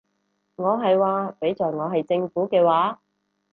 我係話，畀在我係政府嘅話